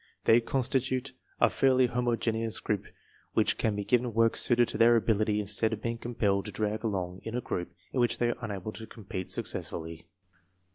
They constitute *> TESTS IN SCHOOLS OF A SMALL CITY 97 fairly homogeneous group which can be given work suited to their ability instead of being compelled to drag along in a group in which they are unable to compete successfully.